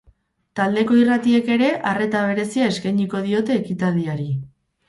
Taldeko irratiek ere, arreta berezia eskainiko diote ekitaldiari.